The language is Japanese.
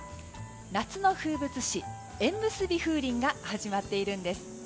夏の風物詩、縁結び風鈴が始まっているんです。